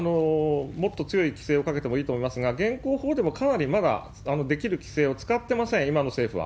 もっと強い規制をかけてもいいと思いますが、現行法でもかなりまだできる規制を使ってません、今の政府は。